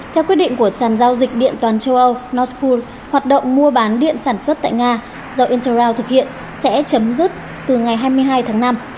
theo quyết định của sàn giao dịch điện toàn châu âu norsphone hoạt động mua bán điện sản xuất tại nga do interut thực hiện sẽ chấm dứt từ ngày hai mươi hai tháng năm